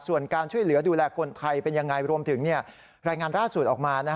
ส่วนการช่วยเหลือดูแลคนไทยเป็นยังไงรวมถึงรายงานล่าสุดออกมา